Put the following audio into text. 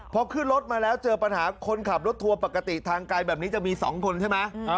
พอขึ้นรถมาแล้วเจอปัญหาคนขับรถทัวร์ปกติทางไกลแบบนี้จะมี๒คนใช่ไหม